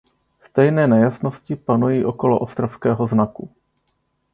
Stejné nejasnosti panují okolo ostravského znaku.